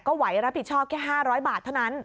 ไหวรับผิดชอบแค่๕๐๐บาทเท่านั้น